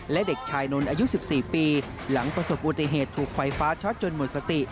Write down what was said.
และเด็กชายนนท์อายุ๑๔ปีหลังประสบอุบัติเหตุถูกไฟฟ้าช็อตจนหมดสติ